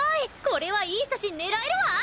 これはいい写真狙えるわ！